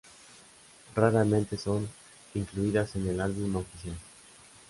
Raramente son incluidas en el álbum oficial.